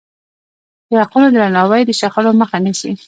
د حقونو درناوی د شخړو مخه نیسي.